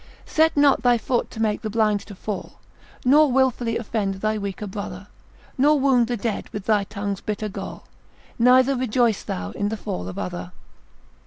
Set not thy foot to make the blind to fall; Nor wilfully offend thy weaker brother: Nor wound the dead with thy tongue's bitter gall, Neither rejoice thou in the fall of other.